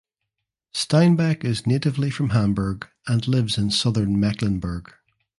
Steinbeck is natively from Hamburg and lives in Southern Mecklenburg.